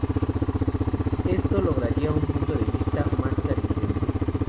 Esto lograría un punto de vista más clarividente.